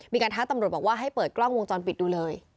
ท้าตำรวจบอกว่าให้เปิดกล้องวงจรปิดดูเลย